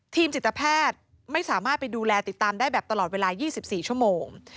จิตแพทย์ไม่สามารถไปดูแลติดตามได้แบบตลอดเวลา๒๔ชั่วโมง